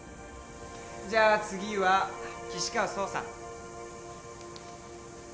じゃあ次は岸川総さん。